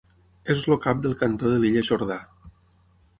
És el cap del Cantó de l'Illa Jordà.